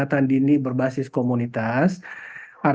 jadi aplikasi beberapa hal